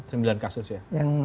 sembilan kasus ya